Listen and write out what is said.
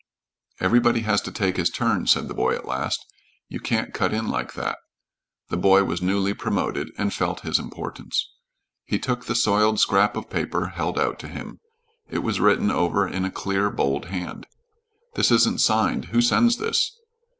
"Everybody has to take his turn," said the boy at last. "You can't cut in like that." The boy was newly promoted and felt his importance. He took the soiled scrap of paper held out to him. It was written over in a clear, bold hand. "This isn't signed. Who sends this?"